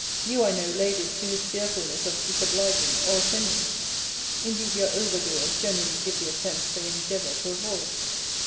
You, I know, lay this to his fearfulness of disobliging or offending. Indeed your over doers generally give the offence they endeavour to avoid.